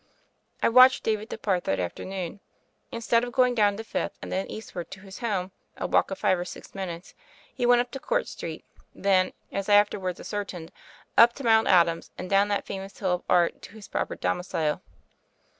I watched David depart that afternoon. In stead of going down to Fifth and then east ward to his home — a walk of five or six minutes — ^he went up to Court Street, then, as I after wards ascertained, up to Mt. Adams, and down that famous hill of art to his proper domicile.